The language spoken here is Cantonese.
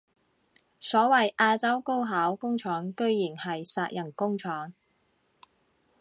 所謂亞洲高考工廠居然係殺人工廠